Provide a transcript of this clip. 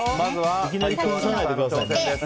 いきなり崩さないでくださいね。